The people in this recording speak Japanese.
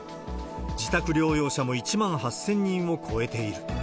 自宅療養者も１万８０００人を超えている。